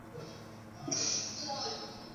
红点镜。